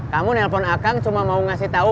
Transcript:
kamu nelfon akang cuma mau ngasih tau